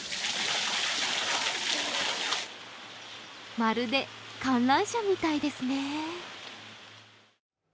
まるで観覧車みたいですね。